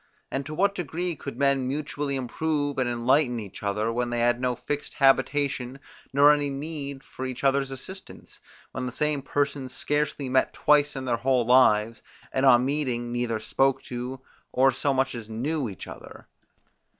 And to what degree could men mutually improve and enlighten each other, when they had no fixed habitation, nor any need of each other's assistance; when the same persons scarcely met twice in their whole lives, and on meeting neither spoke to, or so much as knew each other?